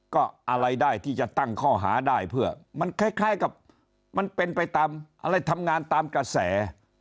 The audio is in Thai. ก็อะไรได้ที่จะตั้งข้อหาได้เพื่อมันคล้ายกับมันเป็นไปตามอะไรทำงานตามกระแส